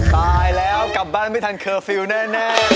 ตายแล้วกลับบ้านไม่ทันเคอร์ฟิลล์แน่